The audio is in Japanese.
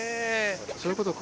そういうことか。